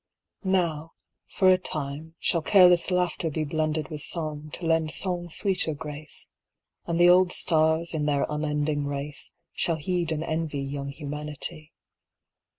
Now, for a time, shall careless laughter be Blended with song, to lend song sweeter grace, And the old stars, in their unending race, Shall heed and envy young humanity.